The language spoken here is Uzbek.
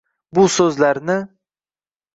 Bu so’zlarni